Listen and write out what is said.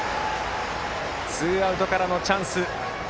ツーアウトからのチャンス